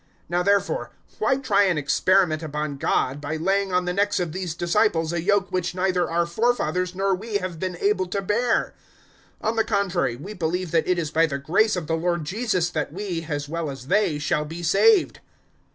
015:010 Now, therefore, why try an experiment upon God, by laying on the necks of these disciples a yoke which neither our forefathers nor we have been able to bear? 015:011 On the contrary, we believe that it is by the grace of the Lord Jesus that we, as well as they, shall be saved."